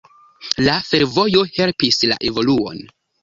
La fervojo helpis la evoluon.